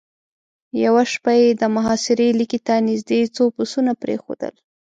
يوه شپه يې د محاصرې ليکې ته نېزدې څو پسونه پرېښودل.